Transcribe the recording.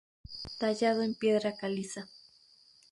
Tallado en piedra caliza.